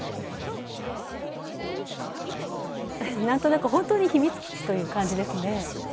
なんとなく本当に秘密基地という感じですね。